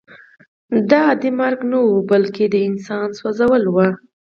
دا عادي مرګ نه و بلکې د انسان سوځېدل وو